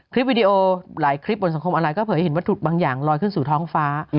วิดีโอหลายคลิปบนสังคมออนไลก็เผยให้เห็นวัตถุบางอย่างลอยขึ้นสู่ท้องฟ้า